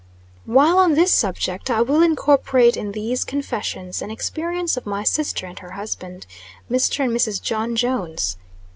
While on this subject, I will incorporate in these "Confessions" an "Experience" of my sister and her husband, Mr. and Mrs. John Jones.